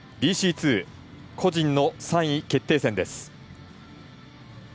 ２個人の３位決定戦です。